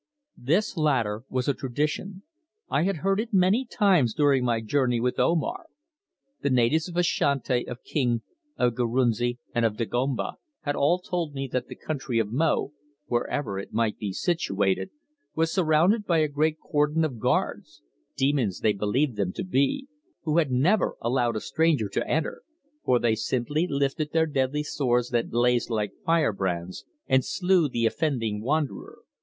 This latter was a tradition. I had heard it many times during my journey with Omar. The natives of Ashanti, of Kong, of Gurunsi, and of Dagomba, had all told me that the country of Mo, wherever it might be situated, was surrounded by a great cordon of guards demons they believed them to be who had never allowed a stranger to enter, for they simply lifted their deadly swords that blazed like fire brands, and slew the offending wanderer.